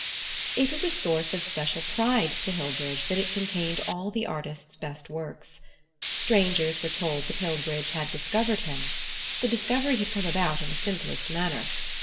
It was a source of special pride to Hillbridge that it contained all the artist's best works. Strangers were told that Hillbridge had discovered him. The discovery had come about in the simplest manner.